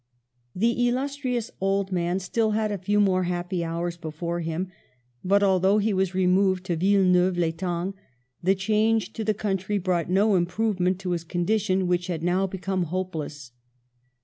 The illustrious old man still had a few more happy hours before him; but, although he was removed to Villeneuve l'Etang, the change to the country brought no improvement to his condition, which had now become hopeless.